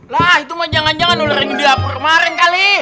lah itu mah jangan jangan ular yang di dapur kemarin kali